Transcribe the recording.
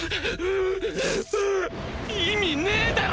意味ねぇだろ！！